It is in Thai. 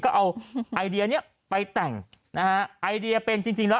ก็เอาไอเดียเนี้ยไปแต่งนะฮะไอเดียเป็นจริงจริงแล้ว